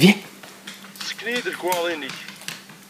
Ssken-iyi-d lekwaɣeḍ-nnek!